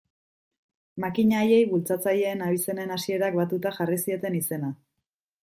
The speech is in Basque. Makina haiei bultzatzaileen abizenen hasierak batuta jarri zieten izena.